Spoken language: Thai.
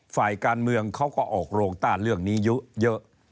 ฝ่ายการเมืองเขาก็ออกโรงต้านเรื่องนี้เยอะ